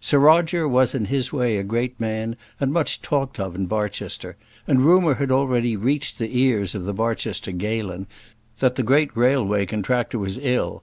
Sir Roger was in his way a great man, and much talked of in Barchester, and rumour had already reached the ears of the Barchester Galen, that the great railway contractor was ill.